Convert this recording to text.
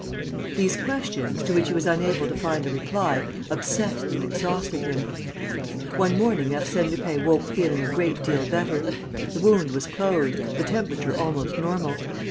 These questions, to which he was unable to find a reply, obsessed and exhausted him. One morning Arsène Lupin woke feeling a great deal better. The wound was closed, the temperature almost normal.